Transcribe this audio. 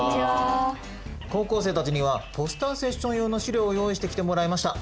高校生たちにはポスターセッション用の資料を用意してきてもらいました。